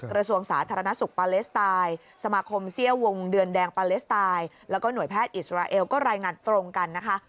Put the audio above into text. กระทรวงสาธารณสุขปาเลสไตน์สมาคมเซี่ยววงเดือนแดงปาเลสไตน์แล้วก็หน่วยแพทย์อิสราเอลก็รายงานตรงกันนะคะ